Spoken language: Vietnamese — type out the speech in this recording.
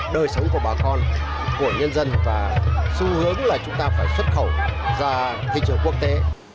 đời sống của bà con của nhân dân và xu hướng là chúng ta phải xuất khẩu ra thị trường quốc tế